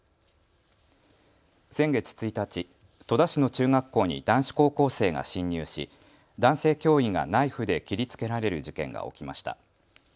先月１日、戸田市の中学校に男子高校生が侵入し男性教員がナイフで切りつけられる事件が起きました。